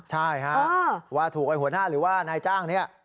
ใช่ฮะว่าถูกไอ้หัวหน้าหรือว่านายจ้างนี้